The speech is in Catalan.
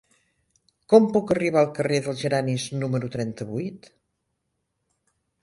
Com puc arribar al carrer dels Geranis número trenta-vuit?